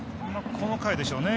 この回でしょうね。